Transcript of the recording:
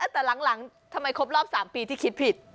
แต่หลังทำไมครบรอบ๓ปีที่คิดผิด